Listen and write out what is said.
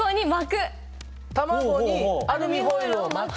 卵にアルミホイルを巻く。